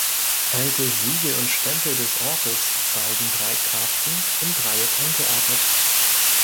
Alte Siegel und Stempel des Ortes zeigen drei Karpfen im Dreieck angeordnet.